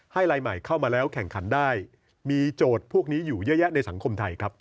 ลายใหม่เข้ามาแล้วแข่งขันได้มีโจทย์พวกนี้อยู่เยอะแยะในสังคมไทยครับ